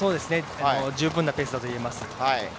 十分なペースだと思います。